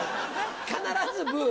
必ず、ぶー。